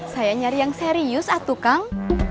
saya nyari yang serius atukang